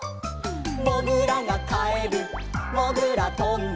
「もぐらがかえるもぐらトンネル」